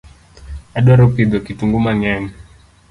Adwaro pidho kitungu mangeny